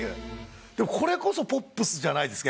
これこそポップスじゃないですか。